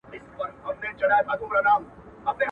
څرنګه به پوه سم په خواله ددې جینۍ ..